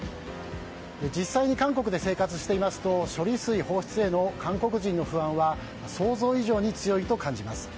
実際に、韓国で生活していると処理水放出への韓国人の不安は想像以上に強いと感じます。